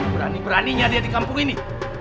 berani beraninya dia di kampung ini